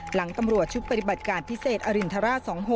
หลังตำรวจชุดปฏิบัติการพิเศษอรินทราช๒๖